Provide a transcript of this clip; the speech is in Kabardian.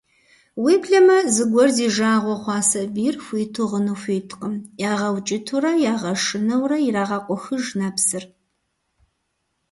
Уеблэмэ зыгуэр зи жагъуэ хъуа сабийр хуиту гъыну хуиткъым, ягъэукӀытэурэ, ягъэшынэурэ ирагъэкъухыж нэпсыр.